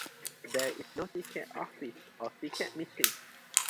There is no ticket office or ticket machine.